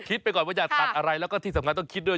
ไปก่อนว่าอย่าตัดอะไรแล้วก็ที่สำคัญต้องคิดด้วย